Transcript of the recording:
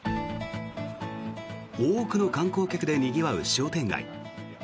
多くの観光客でにぎわう商店街。